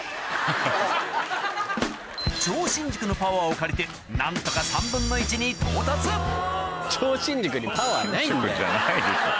・超新塾のパワーを借りて何とか３分の１に到達超新塾にパワーないんだよ。